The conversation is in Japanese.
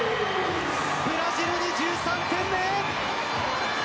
ブラジルに１３点目。